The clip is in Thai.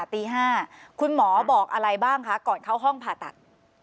ตี๕คุณหมอบอกอะไรบ้างคะก่อนเข้าห้องผ่าตัด